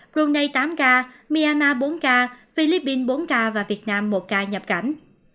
brunei tám ca myanmar bốn ca philippines bốn ca và việt nam một ca nhập cảnh